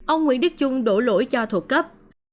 ông nguyễn đức dung đổ lỗi cho thuộc cấp